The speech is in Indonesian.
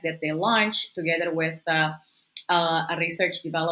dan salah satu proyek pertama yang mereka